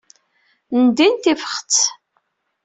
Ndin tifxet.